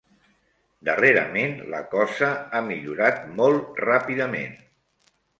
Darrerament la cosa ha millorat molt ràpidament.